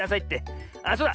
ああそうだ。